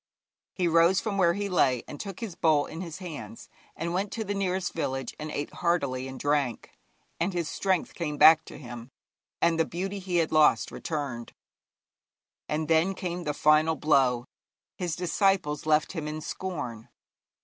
He rose from where he lay, and took his bowl in his hands and went to the nearest village, and ate heartily and drank, and his strength came back to him, and the beauty he had lost returned. And then came the final blow: his disciples left him in scorn.